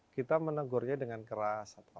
kita menegurnya dengan keras